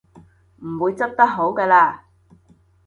唔會執得好嘅喇